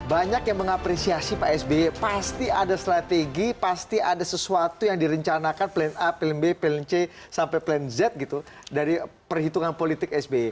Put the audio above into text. banyak yang mengapresiasi pak sby pasti ada strategi pasti ada sesuatu yang direncanakan plan a plan b plan c sampai plan z gitu dari perhitungan politik sby